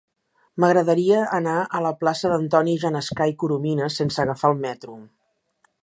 M'agradaria anar a la plaça d'Antoni Genescà i Corominas sense agafar el metro.